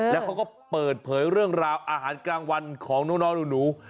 แล้วเขาก็เปิดเผยเรื่องราวอาหารกลางวันของน้องหนู